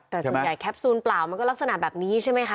แต่ส่วนใหญ่แคปซูลเปล่ามันก็ลักษณะแบบนี้ใช่ไหมคะ